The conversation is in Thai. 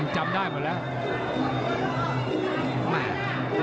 จำได้หมดแล้ว